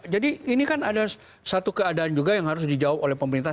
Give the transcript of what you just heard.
jadi ini kan ada satu keadaan juga yang harus dijawab oleh pemerintah